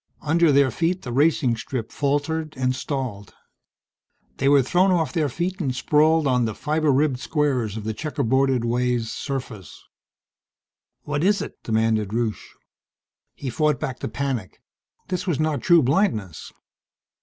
Under their feet the racing strip faltered and stalled. They were thrown off their feet and sprawled on the fiber ribbed squares of the checkerboarded way's surface. "What is it?" demanded Rusche. He fought back the panic. This was not true blindness.